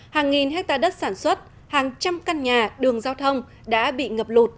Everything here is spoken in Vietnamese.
hàng nghìn hectare đất sản xuất hàng trăm căn nhà đường giao thông đã bị ngập lụt